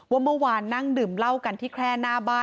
ว่าเมื่อวานนั่งดื่มเหล้ากันที่แค่หน้าบ้าน